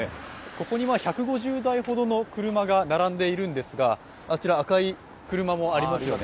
ここに１５０台ほどの並んでいるんですが、あちら、赤い車もありますよね。